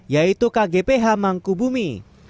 yaitu kgph mangkubumi